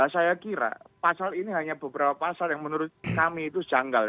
saya kira pasal ini hanya beberapa pasal yang menurut kami itu janggal